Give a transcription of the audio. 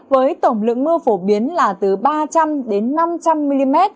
với tổng lượng mưa phổ biến là từ ba trăm linh đến năm trăm linh mm